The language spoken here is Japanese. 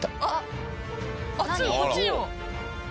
あっ！